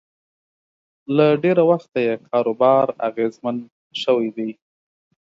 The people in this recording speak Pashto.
له ډېره وخته یې کاروبار اغېزمن شوی دی